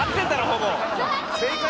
ほぼ。